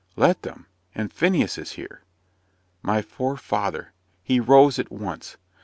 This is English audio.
"Let them? and Phineas is here!" My poor father! He rose at once.